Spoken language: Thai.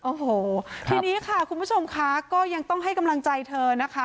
โอ้โหทีนี้ค่ะคุณผู้ชมค่ะก็ยังต้องให้กำลังใจเธอนะคะ